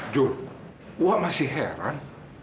juli wak masih heran